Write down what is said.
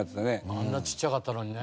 あんなちっちゃかったのにね。